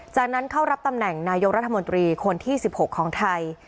จากนั้นเข้ารับตำแหน่งนายกรัฐมนตรีคนที่๑๖ของไทย